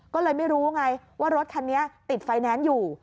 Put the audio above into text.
ก็เลยไม่รู้ไงว่ารถคันนี้ติดไฟแนนซ์อยู่